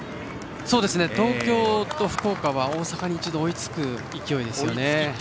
東京と福岡は大阪に一度追いつく勢いですよね。